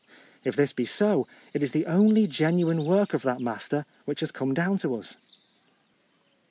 If this be so, it is the only genuine work of that master which has come down to us.